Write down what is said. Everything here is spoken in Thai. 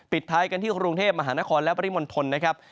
ท้ายกันที่กรุงเทพมหานครและปริมณฑลนะครับ